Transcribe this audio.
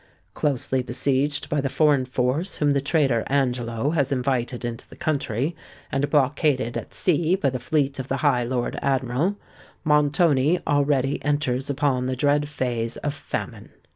Closely besieged by the foreign force whom the traitor Angelo has invited into the country, and blockaded at sea by the fleet of the Lord High Admiral, Montoni already enters upon the dread phase of famine.